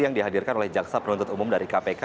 yang dihadirkan oleh jaksa penuntut umum dari kpk